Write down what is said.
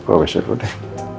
ke wsr udah